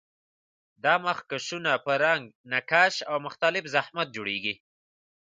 دا مخکشونه په رنګ، نقش او مختلف ضخامت جوړیږي.